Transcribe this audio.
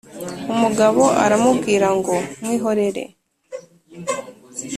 umugabo aramubwira ngo : "mwihorere